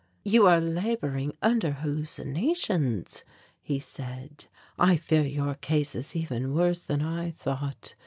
"You are labouring under hallucinations," he said. "I fear your case is even worse than I thought.